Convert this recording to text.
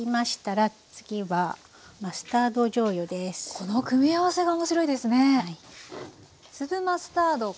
この組み合わせが面白いですね。